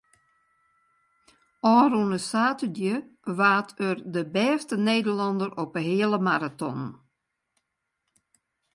Ofrûne saterdei waard er de bêste Nederlanner op de heale maraton.